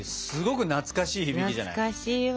懐かしいわ。